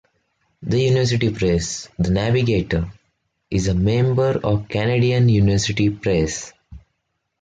The university press, "The Navigator", is a member of Canadian University Press.